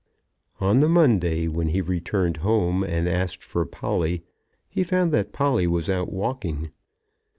On the Monday, when he returned home and asked for Polly, he found that Polly was out walking.